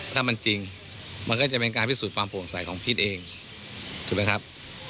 ถ้ามันจริงมันก็จะเป็นการพิสูจน์ความโปร่งใสของพิษเองถูกไหมครับ